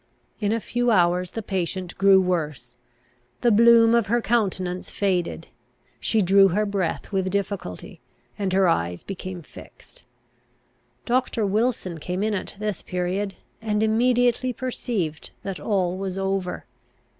In a few hours the patient grew worse. The bloom of her countenance faded; she drew her breath with difficulty; and her eyes became fixed. Doctor Wilson came in at this period, and immediately perceived that all was over.